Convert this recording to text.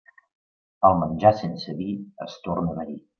El menjar sense vi es torna verí.